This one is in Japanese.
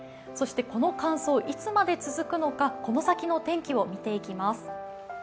そして、この乾燥、いつまで続くのかこの先のお天気を見ていきます。